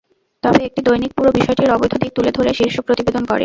তবে একটি দৈনিক পুরো বিষয়টির অবৈধ দিক তুলে ধরে শীর্ষ প্রতিবেদন করে।